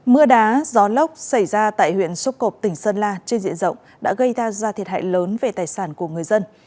mưa đá gió lốc xảy ra tại huyện xúc cộp tỉnh sơn la trên diện rộng đã gây ra thiệt hại lớn về tài sản của người dân